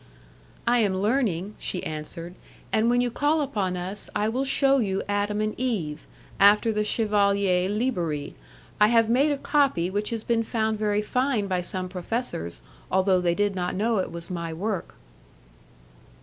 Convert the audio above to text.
"I am learning," she answered, "and when you call upon us I will shew you Adam and Eve, after the Chevalier Liberi; I have made a copy which has been found very fine by some professors, although they did not know it was my work."